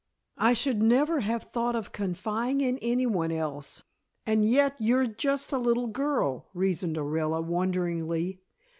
I should never have thought of confiding in anyone else, and yet you're just a little girl," reasoned Orilla wonderingly.